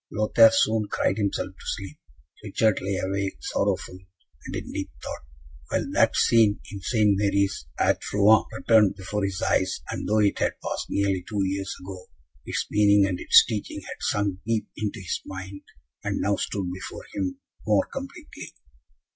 Lothaire soon cried himself to sleep. Richard lay awake, sorrowful, and in deep thought; while that scene in St. Mary's, at Rouen, returned before his eyes, and though it had passed nearly two years ago, its meaning and its teaching had sunk deep into his mind, and now stood before him more completely.